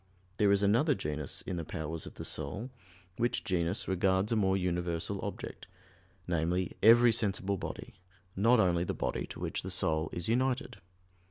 There is another genus in the powers of the soul, which genus regards a more universal object namely, every sensible body, not only the body to which the soul is united.